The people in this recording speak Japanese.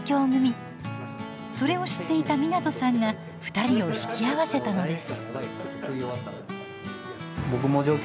それを知っていた湊さんが２人を引き合わせたのです。